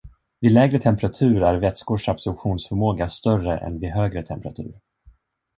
Vid lägre temperatur är vätskors absorptionsförmåga större än vid högre temperatur.